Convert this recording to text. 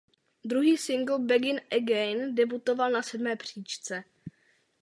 Druhý singl "Begin Again" debutoval na sedmé příčce.